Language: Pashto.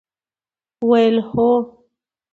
ویل: هو!